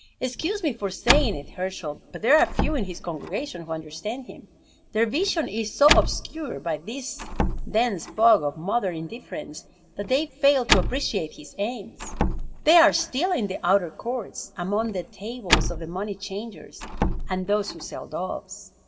Excuse me for saying it, Herschel, but there are few in his congregation who understand him. Their vision is so obscured by this dense fog of modern indifference that they fail to appreciate his aims. They are still in the outer courts, among the tables of the money changers, and those who sell doves.